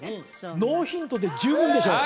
ノーヒントで十分でしょう